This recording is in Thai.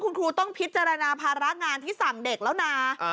คุณครูต้องพิจารณาภาระงานที่สั่งเด็กแล้วนะ